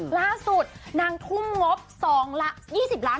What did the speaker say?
ล่าสุดนางทุ่มงบ๒๐ล้าน